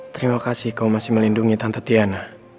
terima kasih kau masih melindungi tante tiana